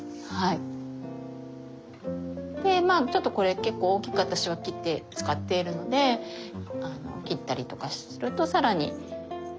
でまあちょっとこれ結構大きく私は切って使っているので切ったりとかすると更に増えるからね布巾がハハハ。